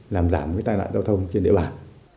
làm giảm tên nạn giao thông trên địa bàn